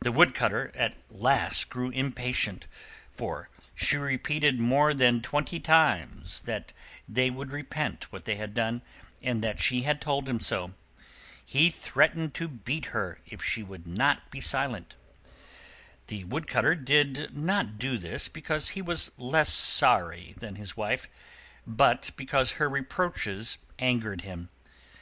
The Wood cutter at last grew impatient, for she repeated more than twenty times that they would repent what they had done, and that she had told him so. He threatened to beat her if she was not silent. The Wood cutter did not do this because he was less sorry than his Wife, but because her reproaches angered him.